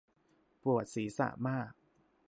ปวดศีรษะมาก